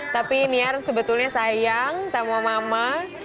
tapi niar sebetulnya sayang sama mama